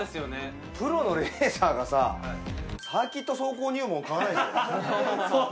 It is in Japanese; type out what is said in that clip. プロのレーサーが『サーキット走行入門』買わないでしょ。